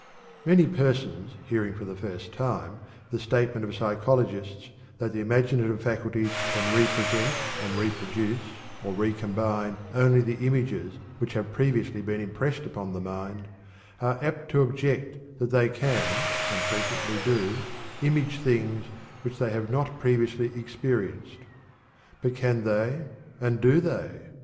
Many persons hearing for the first time the statement of psychologists that the imaginative faculties can re present and re produce or re combine only the images which have previously been impressed upon the mind, are apt to object that they can, and frequently do, image things which they have not previously experienced. But can they and do they?